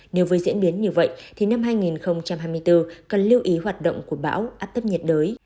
nếu với diễn biến như vậy thì năm hai nghìn hai mươi bốn cần lưu ý hoạt động của bão áp thấp nhiệt đới